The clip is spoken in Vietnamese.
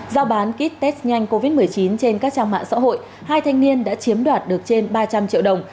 giao bán kit test nhanh covid một mươi chín trên các trang mạng xã hội hai thanh niên đã chiếm đoạt được trên ba trăm linh triệu đồng